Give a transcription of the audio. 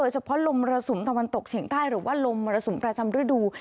เฉพาะลมมรสุมตะวันตกเฉียงใต้หรือว่าลมมรสุมประจำฤดู